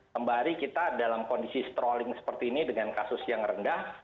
sembari kita dalam kondisi strolling seperti ini dengan kasus yang rendah